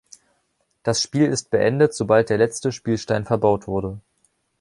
Das Spiel ist beendet, sobald der letzte Spielstein verbaut wurde.